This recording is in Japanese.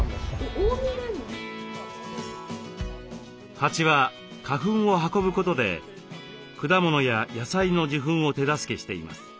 蜂は花粉を運ぶことで果物や野菜の受粉を手助けしています。